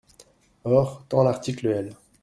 Or, tant l’article L.